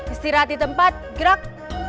istirahat di tempat gerak